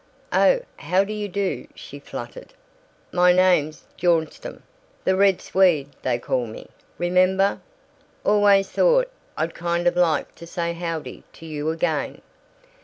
"Oh, how do you do," she fluttered. "My name 's Bjornstam. 'The Red Swede' they call me. Remember? Always thought I'd kind of like to say howdy to you again."